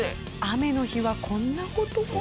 雨の日はこんな事も。